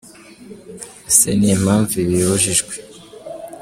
Ese ni iyihe mpamvu ibi bibujijwe?.